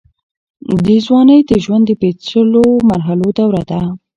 ځوانۍ د ژوند د پېچلو مرحلو دوره ده.